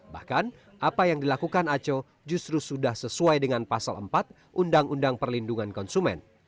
bahkan apa yang dilakukan aco justru sudah sesuai dengan pasal empat undang undang perlindungan konsumen